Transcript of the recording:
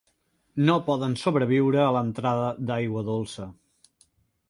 No poden sobreviure a l'entrada d'aigua dolça.